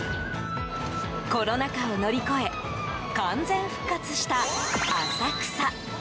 コロナ禍を乗り越え完全復活した浅草。